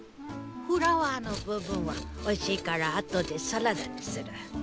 フラワーの部分はおいしいから後でサラダにする！